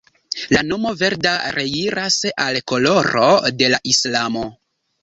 La nomo Verda reiras al koloro de la islamo.